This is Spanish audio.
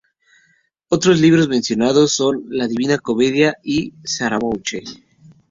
Otros libros mencionados son "La divina comedia" y "Scaramouche".